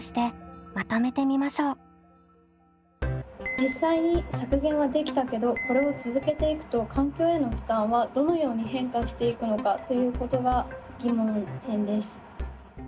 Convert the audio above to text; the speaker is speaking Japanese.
実際に削減はできたけどこれを続けていくと環境への負担はどのように変化していくのかということが疑問点です。